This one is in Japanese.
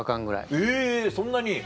えぇそんなに。